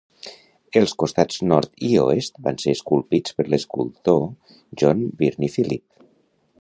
Els costats nord i oest van ser esculpits per l'escultor John Birnie Philip.